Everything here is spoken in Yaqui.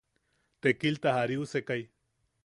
Tekilta jariusekai.